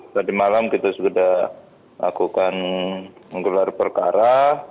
tadi malam kita sudah lakukan menggelar perkara